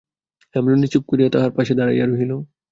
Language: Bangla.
হেমনলিনী চুপ করিয়া তাঁহার পাশে দাঁড়াইয়া রহিল।